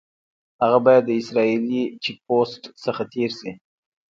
هغه باید د اسرائیلي چیک پوسټ څخه تېر شي.